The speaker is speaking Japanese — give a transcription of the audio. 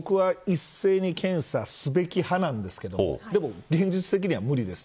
僕は一斉に検査すべき派なんですけどでも、現実的には無理です。